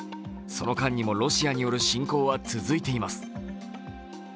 その間にもロシアによる侵攻は続いています。